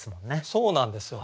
そうなんですよ！